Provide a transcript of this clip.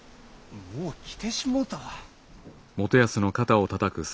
もう着てしもうたわ。